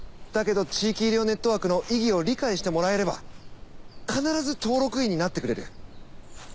だけど地域医療ネットワークの意義を理解してもらえれば必ず登録医になってくれる。